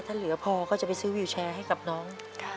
ถ้าเหลือพอก็จะไปซื้อวิวแชร์ให้กับน้อง